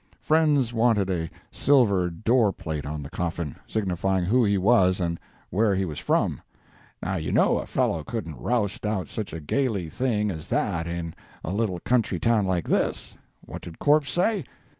Friends wanted a silver door plate on the coffin, signifying who he was and where he was from. Now you know a fellow couldn't roust out such a gaily thing as that in a little country town like this. What did corpse say?